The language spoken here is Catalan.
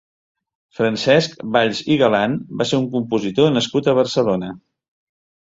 Francesc Valls i Galán va ser un compositor nascut a Barcelona.